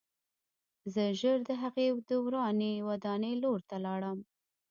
زه ژر د هغې ورانې ودانۍ لور ته لاړم